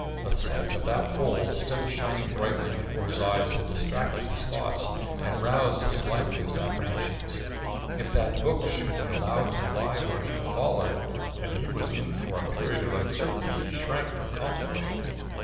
The sight of that hole still shining brightly before his eyes had distracted his thoughts and roused his liveliest apprehensions. If that book should be allowed to lie where it had fallen, then he was in for a period of uncertainty he shrank from contemplating.